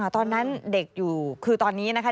ตอนนั้นเด็กอยู่คือตอนนี้นะคะ